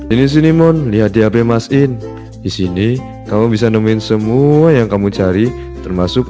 ini sini mon lihat di hp masin disini kamu bisa nemuin semua yang kamu cari termasuk